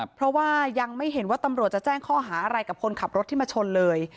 เพราะว่ายังไม่เห็นว่าตำรวจจะแจ้งข้อหาอะไรกับคนขับรถที่มาชนเลย